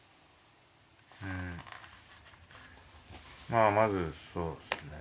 まあまずそうですね。